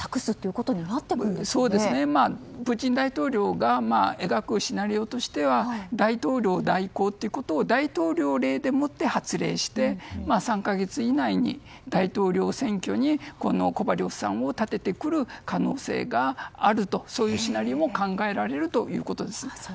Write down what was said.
プーチン大統領が描くシナリオとしては大統領代行ということを大統領令でもって発令して３か月以内に、大統領選挙にコバリョフさんを立ててくる可能性があるとそういうシナリオも考えられるということです。